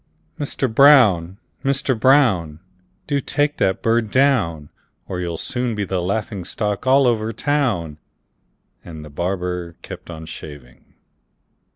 Mister Brown! Mister Brown! Do take that bird down, Or you'll soon be the laughing stock all over town!" And the barber kept on shaving.